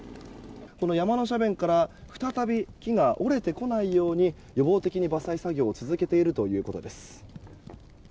山の斜面から再び木が折れてこないように予防的に伐採作業を続けているということです。